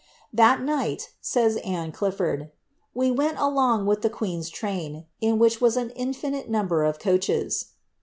"That niglit," says Anne Clilford, " we went along wii:! the queen^s train, in which was an infinite number of coaches."